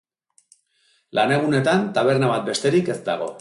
Lanegunetan, taberna bat besterik ez dago.